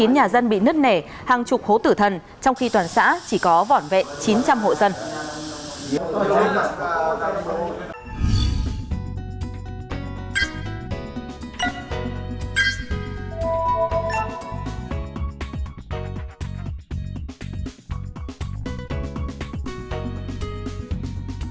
một trăm chín mươi chín nhà dân bị nứt nể hàng chục hố tử thần trong khi toàn xã chỉ có vỏn vệ chín trăm linh hộ dân